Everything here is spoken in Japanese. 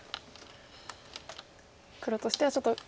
黒としてはちょっと苦しい。